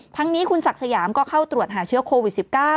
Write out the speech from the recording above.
ทั้งนี้คุณศักดิ์สยามก็เข้าตรวจหาเชื้อโควิด๑๙